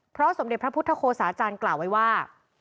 เพราะสมเด็จพระพุทธโฆษาจารย์กล่าวไว้ว่า